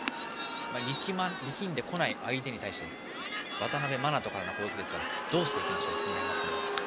力んでこない相手に対して渡辺眞翔からの攻撃ですがどうしていきましょうか。